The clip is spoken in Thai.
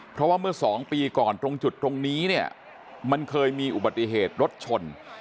เพราะว่าเมื่อ๒ปีก่อนตรงจุดตรงนี้เนี่ยมันเคยมีอุบัติเหตุรถชน